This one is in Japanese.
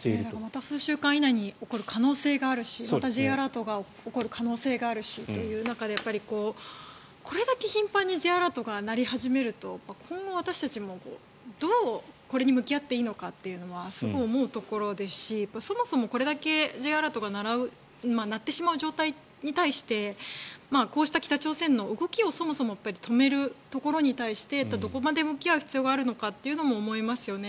また数週間以内に起こる可能性があるしまたＪアラートが起こる可能性があるしという中でこれだけ頻繁にＪアラートが鳴り始めると今後、私たちもどうこれに向き合っていいのかということはすごく思うところですしそもそも、これだけＪアラートが鳴ってしまう状態に対してこうした北朝鮮の動きをそもそも止めるところに対してどこまで向き合う必要があるのかということも思いますよね。